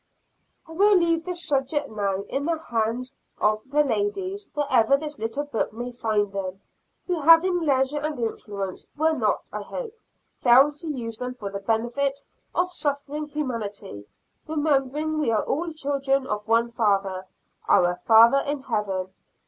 I will leave this subject now in the hands of the ladies, wherever this little book may find them, who, having leisure and influence, will not, I hope, fail to use them for the benefit of suffering humanity, remembering we are all children of one Father Our Father in Heaven.